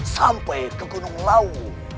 sampai ke gunung lau